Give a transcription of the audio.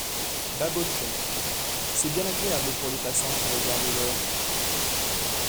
Babochet C'est bien agréable pour les passants qui regardent l'heure.